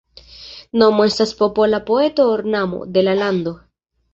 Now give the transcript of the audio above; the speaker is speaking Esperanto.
Nomo estas “popola poeta ornamo” de la lando.